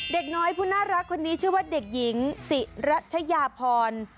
เด็กน้อยผู้น่ารักคนนี้ชื่อว่าเด็กหญิงสิรัชยาพร